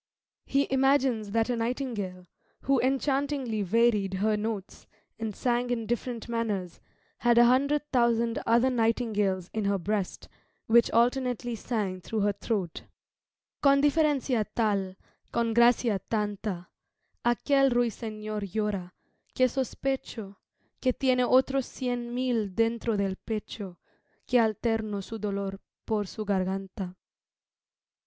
He imagines that a nightingale, who enchantingly varied her notes, and sang in different manners, had a hundred thousand other nightingales in her breast, which alternately sang through her throat "Con diferancia tal, con gracia tanta, A quel ruysenor llora, que sospecho Que tiene otros cien mil dentro del pecho, Que alterno su dolor por su garganta."